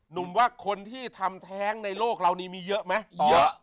หนุ่มว่าคนที่ทำแท้งในโลกเรานี่มีเยอะไหมเยอะ